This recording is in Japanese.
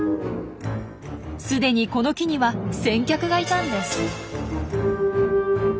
すでにこの木には先客がいたんです。